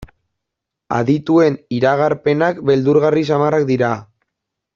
Adituen iragarpenak beldurgarri samarrak dira.